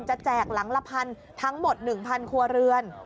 แจกหลังละพันทั้งหมด๑๐๐ครัวเรือน